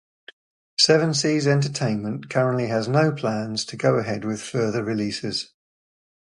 Seven Seas Entertainment currently has no plans to go ahead with further releases.